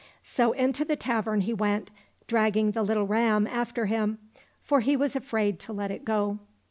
So into the tavern he went, dragging the little ram after him, for he was afraid to let it go.